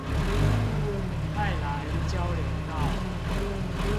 愛蘭交流道